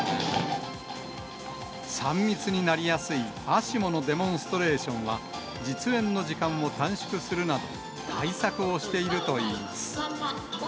３密になりやすいＡＳＩＭＯのデモンストレーションは、実演の時間を短縮するなど、対策をしているといいます。